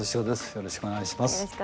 よろしくお願いします。